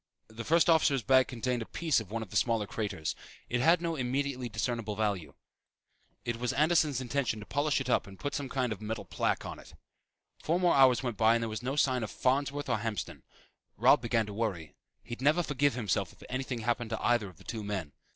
The first officer's bag contained a piece of one of the smaller craters. It had no immediately discernable value. It was Anderson's intention to polish it up and put some kind of a metal plaque on it. Four more hours went by and there was no sign of Farnsworth or Hamston. Robb began to worry. He'd never forgive himself if anything happened to either of the two men.